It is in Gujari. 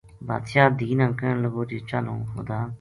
بادشاہ دھی نا کہن لگو چل ہن خدا